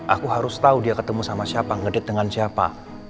aku harus tahu dia ketemu sama siapa ngedit dengan siapa